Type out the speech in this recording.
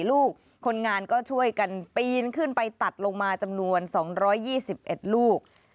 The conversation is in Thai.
ลูกคนงานก็ช่วยกันปีนขึ้นไปตัดลงมาจำนวน๒๒๑ลูก